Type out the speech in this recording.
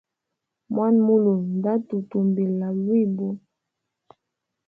Mwana mulume nda tutumbila lwibo.